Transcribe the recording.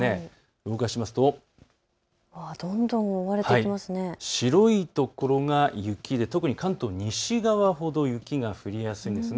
動かしますと白い所が雪で特に関東の西側ほど雪が降りやすいんです。